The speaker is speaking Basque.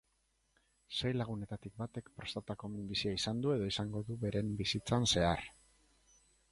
Sei lagunetatik batek prostatako minbizia izan du edo izango du beren bizitzan zehar.